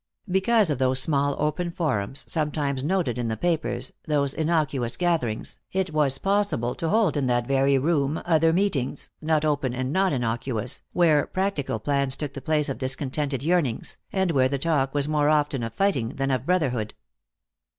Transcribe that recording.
Because of those small open forums, sometimes noted in the papers, those innocuous gatherings, it was possible to hold in that very room other meetings, not open and not innocuous, where practical plans took the place of discontented yearnings, and where the talk was more often of fighting than of brotherhood.